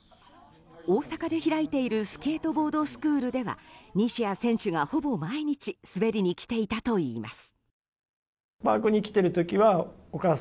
大阪で開いているスケートボードスクールでは西矢選手がほぼ毎日滑りに来ていたといいます。